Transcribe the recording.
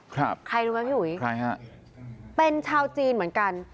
ครับใครฟะพี่หุยใครฮะเป็นชาวจีนเหมือนกัน